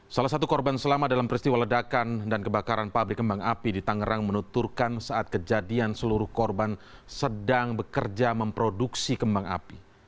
salah satu korban selamat dalam peristiwa ledakan dan kebakaran pabrik kembang api di tangerang menuturkan saat kejadian seluruh korban sedang bekerja memproduksi kembang api